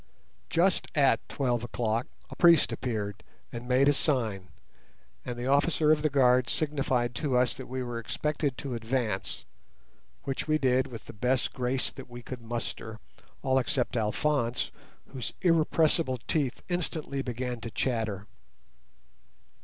Just at twelve o'clock a priest appeared, and made a sign, and the officer of the guard signified to us that we were expected to advance, which we did with the best grace that we could muster, all except Alphonse, whose irrepressible teeth instantly began to chatter.